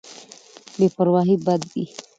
بې پرواهي بد دی.